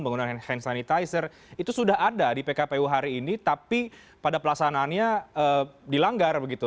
penggunaan hand sanitizer itu sudah ada di pkpu hari ini tapi pada pelaksanaannya dilanggar begitu